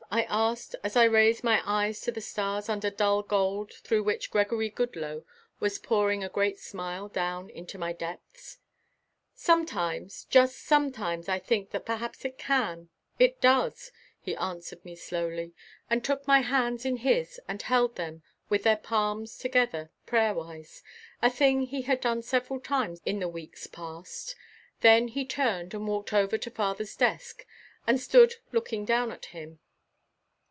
I asked, as I raised my eyes to the stars under dull gold through which Gregory Goodloe was pouring a great smile down into my depths. "Sometimes just sometimes I think that perhaps it can it does," he answered me slowly and took my hands in his and held them with their palms together prayerwise, a thing he had done several times in the weeks past. Then he turned and walked over to father's desk and stood looking down at him.